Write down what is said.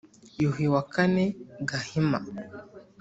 yuhi wa kane gahima